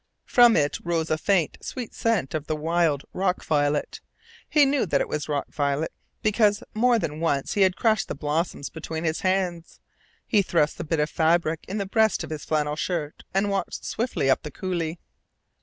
From it rose a faint, sweet scent of the wild rock violet. He knew that it was rock violet, because more than once he had crushed the blossoms between his hands. He thrust the bit of fabric in the breast of his flannel shirt, and walked swiftly up the coulee.